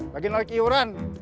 lagi naik iuran